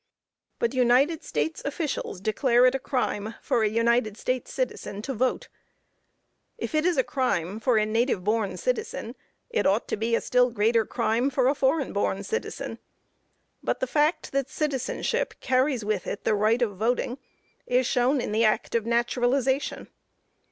But United States officials declare it a crime for a United States citizen to vote. If it is a crime for a native born citizen, it ought to be a still greater crime for a foreign born citizen. But the fact that citizenship carries with it the right of voting, is shown in the act of naturalization.